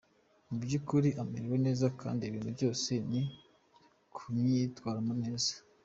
Mu by’ukuri amerewe neza kandi ibintu byose ari kubyitwaramo neza.